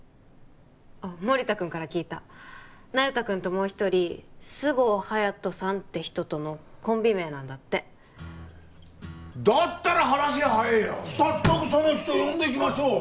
あっ森田君から聞いた那由他君ともう一人菅生隼人さんって人とのコンビ名なんだってだったら話が早えよ早速その人呼んできましょう